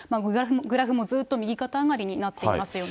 グラフもずっと右肩上がりになっていますよね。